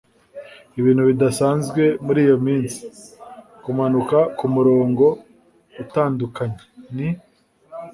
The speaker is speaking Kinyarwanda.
ibintu bidasanzwe muri iyo minsi - kumanuka kumurongo utandukanye. ni